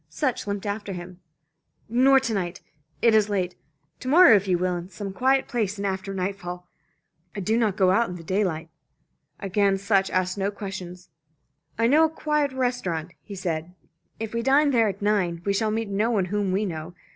Sutch limped after him. "Nor to night. It is late. To morrow if you will, in some quiet place, and after nightfall. I do not go out in the daylight." Again Lieutenant Sutch asked no questions. "I know a quiet restaurant," he said. "If we dine there at nine, we shall meet no one whom we know.